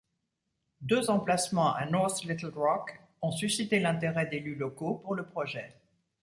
Deux emplacements à North Little Rock ont suscité l'intérêt d'élus locaux pour le projet.